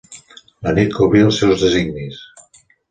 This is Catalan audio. La nit cobria els seus designis.